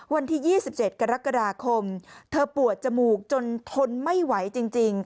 วันที่๒๗กรกฎาคมเธอปวดจมูกจนทนไม่ไหวจริง